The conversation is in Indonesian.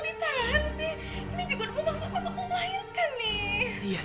ini juga udah memaksa pasok mau melahirkan nih